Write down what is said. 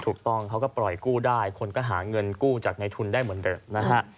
ถูกต้องเขาก็ปล่อยกู้ได้คนก็หาเงินกู้จากในทุนได้เหมือนเดิมนะฮะ